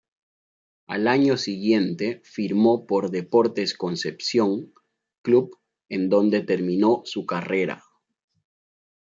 Al año siguiente firmó por Deportes Concepción, club en donde terminó su carrera.